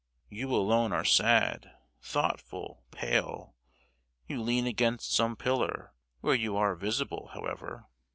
You alone are sad—thoughtful—pale,—you lean against some pillar (where you are visible, however!)